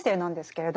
けれど